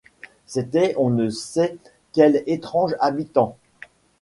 C’était on ne sait quel étrange habitant.